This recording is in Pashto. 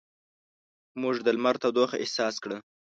موږ د لمر تودوخه احساس کړه.